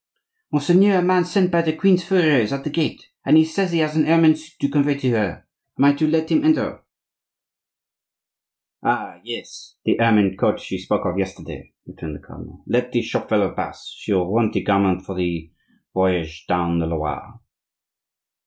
"Monseigneur, a man sent by the queen's furrier is at the gate, and says he has an ermine suit to convey to her. Am I to let him enter?" "Ah! yes,—the ermine coat she spoke of yesterday," returned the cardinal; "let the shop fellow pass; she will want the garment for the voyage down the Loire."